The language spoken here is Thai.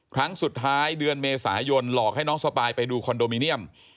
ครั้งสุดท้ายเดือนเมษายนหลอกให้น้องสปายไปดูคอนโดมิเนียม